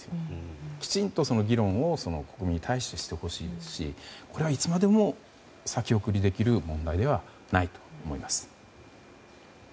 きちんと議論を国民に対してしてほしいですしこれはいつまでも先送りできる問題ではないと思います。